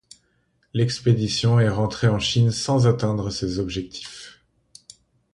L'expédition est rentrée en Chine sans atteindre ses objectifs.